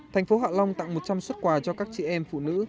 thành phố hạ long tặng một trăm linh xuất quà cho các chị em phụ nữ